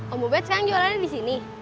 om ubed sayang jualannya disini